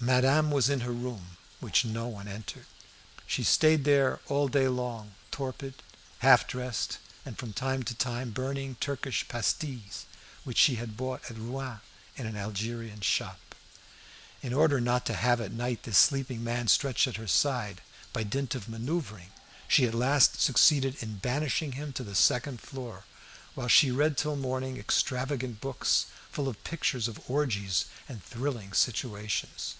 Madame was in her room, which no one entered. She stayed there all day long, torpid, half dressed, and from time to time burning Turkish pastilles which she had bought at Rouen in an Algerian's shop. In order not to have at night this sleeping man stretched at her side, by dint of manoeuvring, she at last succeeded in banishing him to the second floor, while she read till morning extravagant books, full of pictures of orgies and thrilling situations.